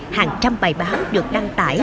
hàng trăm bài báo được đăng tải